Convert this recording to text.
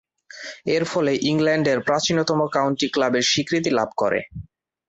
এরফলে ইংল্যান্ডের প্রাচীনতম কাউন্টি ক্লাবের স্বীকৃতি লাভ করে।